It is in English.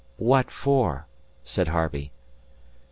"What for?" said Harvey.